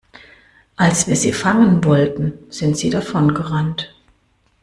Als wir sie fangen wollten, sind sie davon gerannt.